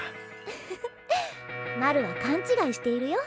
ウフフッマルは勘違いしているよ。